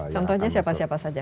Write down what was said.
contohnya siapa siapa saja